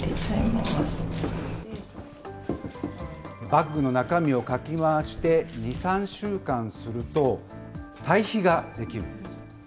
バッグの中身をかき回して、２、３週間すると、堆肥が出来るんです。